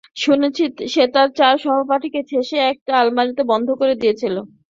শুনেছি সে তার চার সহপাঠীকে ঠেসে একটা আলমারীতে বন্ধ করে দিয়েছিলো।